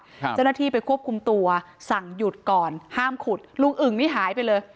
เจ้าหน้าที่ไปควบคุมตัวสั่งหยุดก่อนห้ามขุดลุงอึ่งนี่หายไปเลย